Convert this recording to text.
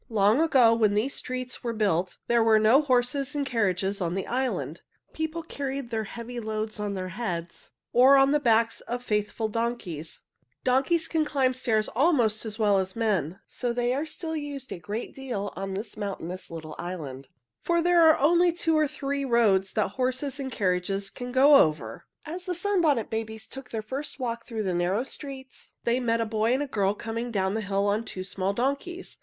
Long ago, when these streets were built, there were no horses and carriages on the island. People carried their heavy loads on their heads, or on the backs of faithful donkeys. Donkeys can climb stairs almost as well as men, so they are still used a great deal on this mountainous little island, for there are only two or three roads that horses and carriages can go over. [Illustration: "Would the little girls like to ride on our donkeys?"] As the Sunbonnet Babies took their first walk through the narrow streets, they met a boy and girl coming down the hill on two small donkeys.